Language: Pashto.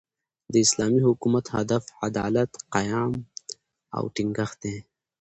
د اسلامي حکومت، هدف عدالت، قیام او ټینګښت دئ.